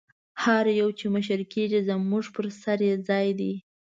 هر یو چې مشر کېږي زموږ پر سر یې ځای دی.